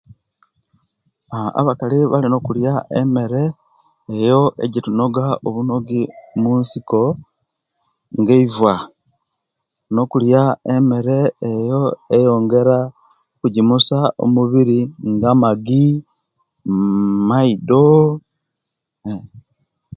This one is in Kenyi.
Aah Abakali balina okulia emere eyo ejjetunoga obunogi munsiko nga eiva nokulia emeere eyo eyongeria okujjimisia omubiri nga amagi uuuh maido